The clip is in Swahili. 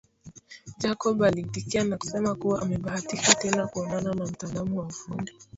Jacob aliitikia na kusema kuwa amebahatika tena kuonana na mtaalamu wa ufundi